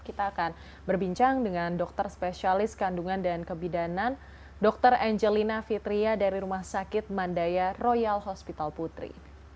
kita akan berbincang dengan dokter spesialis kandungan dan kebidanan dr angelina fitria dari rumah sakit mandaya royal hospital putri